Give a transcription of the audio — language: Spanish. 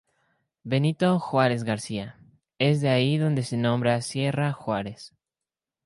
Benito Juárez García, es de ahí donde se nombra Sierra Juárez.